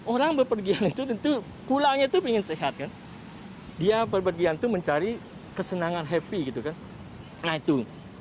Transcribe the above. orang berpergian itu tentu pulangnya itu ingin sehat kan dia berpergian itu mencari kesenangan happy gitu kan nah itu